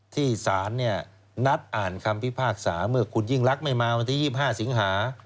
ที่ศาลนัดอ่านคำพิพากษาเมื่อคุณยิ่งรักไม่มาวันที่๒๕สิงหา